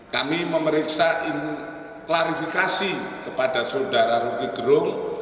kami memeriksa klarifikasi kepada saudara roky gerung